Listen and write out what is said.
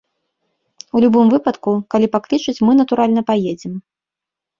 У любым выпадку, калі паклічуць, мы, натуральна, паедзем!